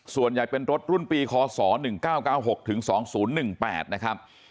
ส่วนใหญ่เป็นรถรุ่นปีคศ๑๙๙๖ถึง๒๐๑๘นะครับ